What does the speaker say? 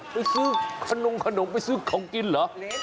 ไปซื้อขนมขนมไปซื้อของกินเหรอ